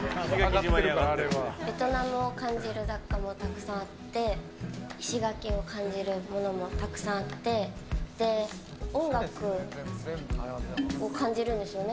ベトナムを感じる雑貨もたくさんあって石垣を感じるものもたくさんあって音楽を感じるんですよね